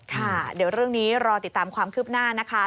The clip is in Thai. ค่ะเดี๋ยวเรื่องนี้รอติดตามความคืบหน้านะคะ